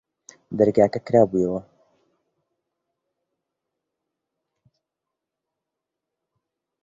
دەرکەکە کرابوویەوە.